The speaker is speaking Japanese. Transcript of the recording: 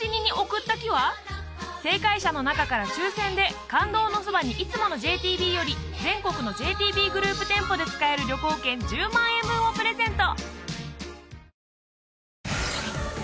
正解者の中から抽選で「感動のそばに、いつも。」のＪＴＢより全国のＪＴＢグループ店舗で使える旅行券１０万円分をプレゼント！